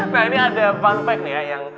nah ini ada fun fact nih ya yang